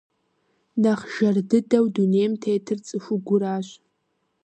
Нэхъ жэр дыдэу дунейм тетыр цӀыхугуращ.